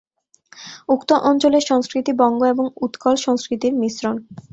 উক্ত অঞ্চলের সংস্কৃতি বঙ্গ এবং উৎকল সংস্কৃতির মিশ্রণ।